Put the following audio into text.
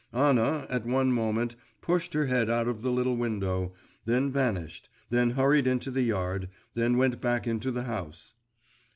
Anna, at one moment, pushed her head out of the little window, then vanished, then hurried into the yard, then went back into the house.